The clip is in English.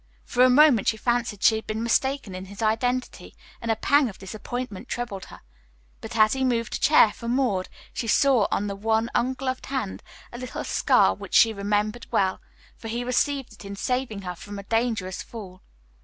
For a moment she fancied she had been mistaken in his identity, and a pang of disappointment troubled her; but as he moved a chair for Maud, she saw on the one ungloved hand a little scar which she remembered well, for he received it in saving her from a dangerous fall.